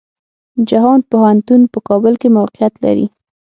جهان پوهنتون په کابل کې موقيعت لري.